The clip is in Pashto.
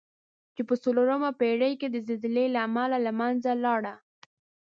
چې په څلورمه پېړۍ کې د زلزلې له امله له منځه لاړه.